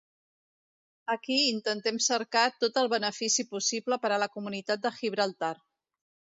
Aquí intentem cercar tot el benefici possible per a la comunitat de Gibraltar.